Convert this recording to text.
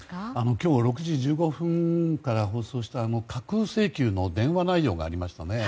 今日、６時１５分から放送した架空請求の電話内容がありましたね。